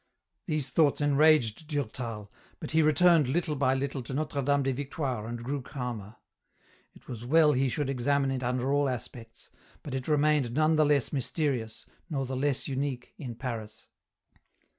These thoughts enraged Durtal, but he returned little by little to Notre Dame des Victoires and grew calmer. It was well he should examine it under all aspects, but it remained none the less mysterious nor the less unique in Paris.